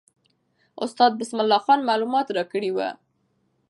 استاد بسم الله خان معلومات راکړي وو.